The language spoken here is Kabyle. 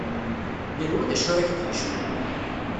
Yal wa d acu ar ak-d-yecnu!